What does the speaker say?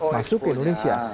masuk ke indonesia